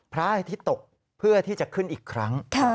พระอาทิตย์ตกเพื่อที่จะขึ้นอีกครั้ง